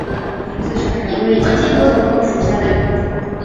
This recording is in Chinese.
蒙自砂仁为姜科豆蔻属下的一个种。